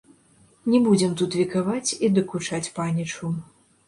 Не будзем тут векаваць і дакучаць панічу.